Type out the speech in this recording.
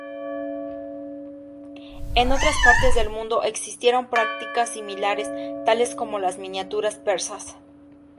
En otras partes del mundo existieron prácticas similares, tales como las miniaturas persas.